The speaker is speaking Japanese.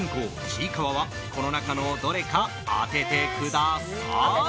ちいかわはこの中のどれか当ててください。